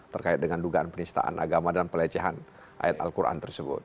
terkait dengan dugaan penistaan agama dan pelecehan ayat al quran tersebut